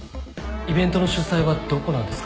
イベントの主催はどこなんですか？